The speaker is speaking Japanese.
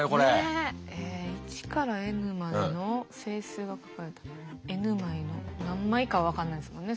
え１からｎまでの整数が書かれたｎ枚の何枚かは分かんないですもんね